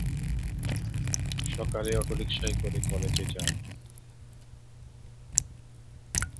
সকালে অটোরিকশায় করে কলেজে যায়।